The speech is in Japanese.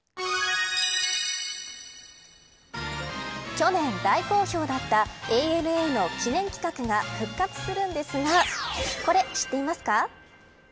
去年、大好評だったＡＮＡの記念企画が復活するんですがこれ、知っていますか。